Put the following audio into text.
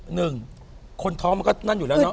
หนึ่งคนท้องมันก็นั่นอยู่แล้วเนาะ